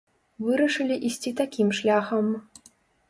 Вырашылі ісці такім шляхам.